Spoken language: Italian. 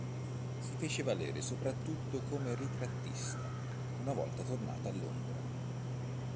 Si fece valere soprattutto come ritrattista una volta tornato a Londra.